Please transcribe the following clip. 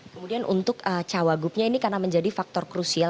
kemudian untuk cawagupnya ini karena menjadi faktor krusial